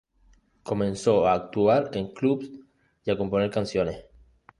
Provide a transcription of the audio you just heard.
Comenzó a actuar en clubs y a componer canciones.